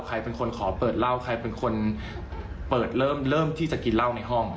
ใครเป็นคนขอเปิดเหล้าใครเป็นคนเปิดเริ่มที่จะกินเหล้าในห้อง